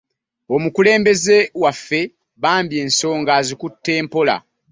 Omukulembeze waffe bambi ensonga azikutte mpola.